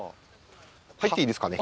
入っていいですかね？